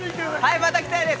◆はい、また来たいです。